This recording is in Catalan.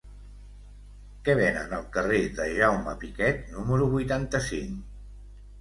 Què venen al carrer de Jaume Piquet número vuitanta-cinc?